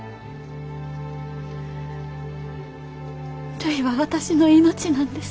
るいは私の命なんです。